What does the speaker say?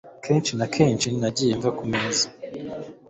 Kenshi na kenshi nagiye mva ku meza